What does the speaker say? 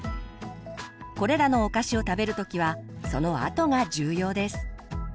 これらのお菓子を食べる時はそのあとが重要です。